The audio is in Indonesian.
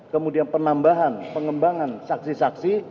kemudian penambahan pengembangan saksi saksi